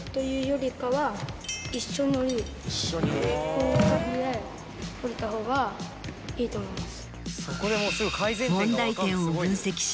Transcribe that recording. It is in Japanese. こういう感じで下りた方がいいと思います。